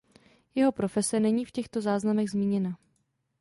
Jeho profese není v těchto záznamech zmíněna.